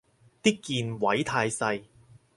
啲鍵位太細